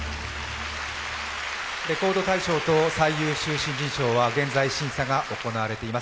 レコード大賞と最優秀新人賞は現在審査が行われています。